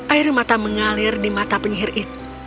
air mata mengalir di mata penyihir itu